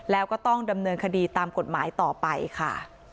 แล้วก็ต้องดำเนินคดีตามกฎหมายต่อไปค่ะ